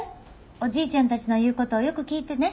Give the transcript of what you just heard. おじいちゃんたちの言う事よく聞いてね。